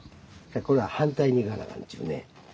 これは反対にいかなあかんっちゅうね。